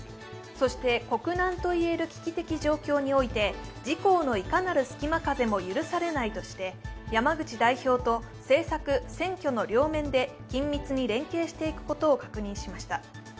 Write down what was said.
そして、国難といえる危機的状況において自公のいかなる隙間風も許されないとして山口代表と政策・選挙の両面で緊密に連携していくことを確認しました。